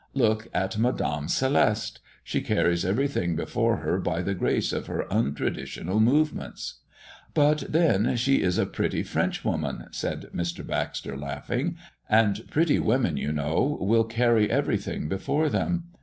Look at Madame Celeste. She carries everything before her by the grace of her untraditional movements." "But then she is a pretty French woman," said Mr. Baxter, laughing, "and pretty women, you know, will carry every thing before them.